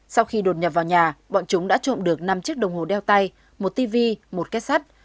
sau khi đột nhập vào nhà bọn chúng đã trộm được năm chiếc đồng hồ đeo tay một tv một kết sắt